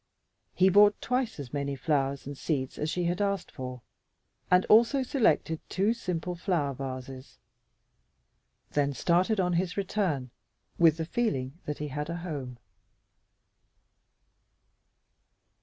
He bought twice as many flowers and seeds as she had asked for, and also selected two simple flower vases; then started on his return with the feeling that he had a home.